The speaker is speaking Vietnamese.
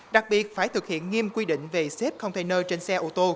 đặc biệt phải thực hiện nghiêm quy định về xếp container trên xe ô tô